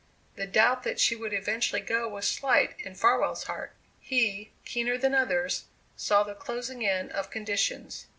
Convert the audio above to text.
The doubt that she would eventually go was slight in Farwell's heart. He, keener than others, saw the closing in of conditions.